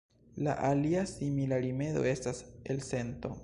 La alia simila rimedo estas elcento.